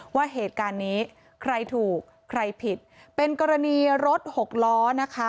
ว่าเหตุการณ์นี้ใครถูกใครผิดเป็นกรณีรถหกล้อนะคะ